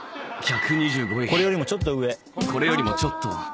これよりもちょっと上。